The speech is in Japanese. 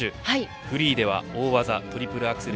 フリーでは大技トリプルアクセル